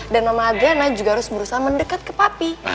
dan mama adriana juga harus berusaha mendekat ke papi